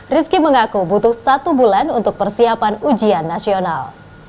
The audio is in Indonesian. rizky mengaku butuh satu bulan untuk persiapan ujian nasional